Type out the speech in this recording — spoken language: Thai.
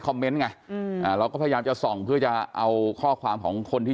เมนต์ไงอืมอ่าเราก็พยายามจะส่องเพื่อจะเอาข้อความของคนที่